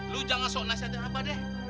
lu jangan sok nasihatnya apa deh